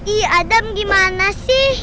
ih adam gimana sih